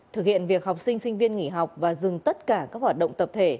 thực hiện việc học sinh sinh viên nghỉ học và dừng tất cả các hoạt động tập thể